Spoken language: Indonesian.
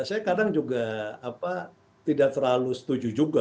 saya kadang juga tidak terlalu setuju juga